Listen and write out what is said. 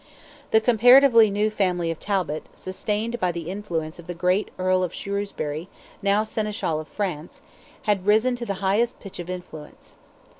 The comparatively new family of Talbot, sustained by the influence of the great Earl of Shrewsbury, now Seneschal of France, had risen to the highest pitch of influence.